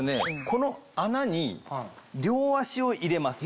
この穴に両足を入れます。